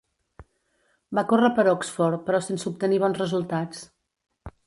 Va córrer per Oxford, però sense obtenir bons resultats.